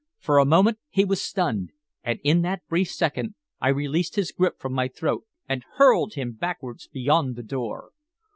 For a moment he was stunned, and in that brief second I released his grip from my throat and hurled him backwards beyond the door.